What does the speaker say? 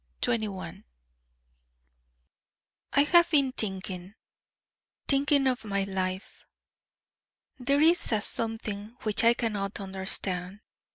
I have been thinking, thinking of my life: there is a something which I cannot understand.